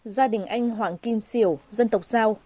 gia đình anh hoàng kim siểu dân tộc giao